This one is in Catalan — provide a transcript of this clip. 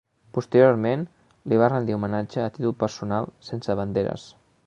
Posteriorment li va rendir homenatge a títol personal, sense banderes.